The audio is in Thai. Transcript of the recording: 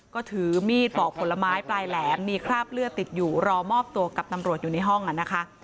ก็ถือมีดปอกผลไม้ปลายแหลมมีคราบเลือดติดอยู่รอมอบตัวกับตำรวจอยู่ในห้องนะคะ